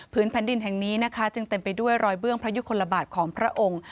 แผ่นดินแห่งนี้นะคะจึงเต็มไปด้วยรอยเบื้องพระยุคลบาทของพระองค์